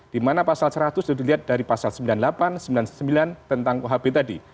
dimana pasal seratus sudah dilihat dari pasal sembilan puluh delapan sembilan puluh sembilan tentang kuhp tadi